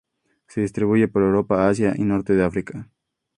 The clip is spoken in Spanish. Se distribuye por Europa, Asia y Norte de África.